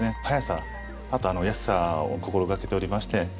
早さあと安さを心掛けておりまして。